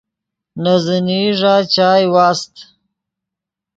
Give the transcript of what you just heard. نے زینئی ݱا چائے واست